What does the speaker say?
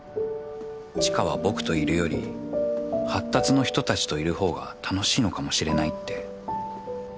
知花は僕といるより発達の人たちといる方が楽しいのかもしれないって